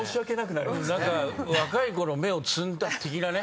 何か若い子の芽を摘んだ的なね。